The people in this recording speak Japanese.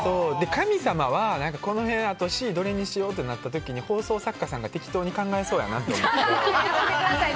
神様はこの辺あとＣどれにしようとなった時に放送作家さんが適当に考えそうやなって。